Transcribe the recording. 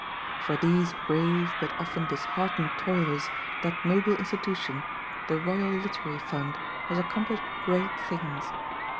For these brave, but often disheartened, toilers that noble institution, the Royal Literary Fund, has accomplished great things.